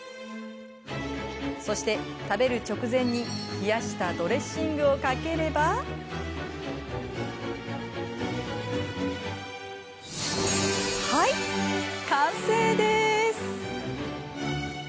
そして、食べる直前に冷やしたドレッシングをかければはい、完成です。